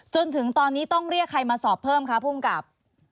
จนถึงตอนนี้ต้องเรียกใครมาสอบเพิ่มคะภูมิกับ